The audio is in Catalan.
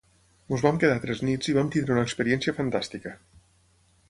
Ens vam quedar tres nits i vam tenir una experiència fantàstica.